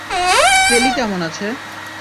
কেলি কেমন আছে?